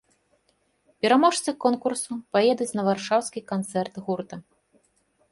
Пераможцы конкурсу паедуць на варшаўскі канцэрт гурта.